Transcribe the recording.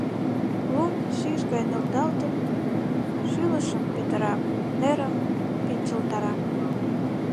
Лум, шикш гай нӧлталтын, шӱлышым петыра, нерым пинчылтара.